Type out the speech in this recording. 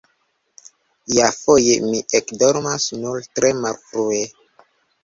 Iafoje mi ekdormas nur tre malfrue.